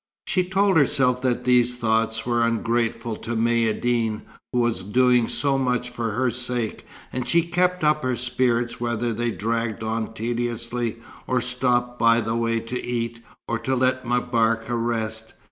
She told herself that these thoughts were ungrateful to Maïeddine, who was doing so much for her sake, and she kept up her spirits whether they dragged on tediously, or stopped by the way to eat, or to let M'Barka rest.